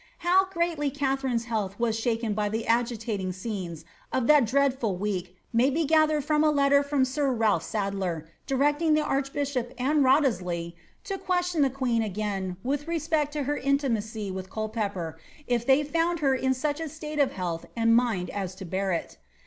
How greatly Katharine's health was shaken by the agitating scenes of that dreadful week may be gathered from a letter from sir Ralph Std ler, directing the archbidbop and Wriothesley to ^ question the queen again with respect to her intimacy with Culpepper, if they fonnd her in such a state of health and mind as to bear it."